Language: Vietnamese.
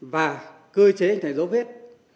và cơ chế hình thành dấu vết